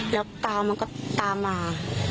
แล้วตาวมันก็ตามมา